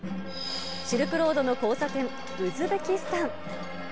シルクロードの交差点、ウズベキスタン。